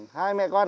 vâng đi con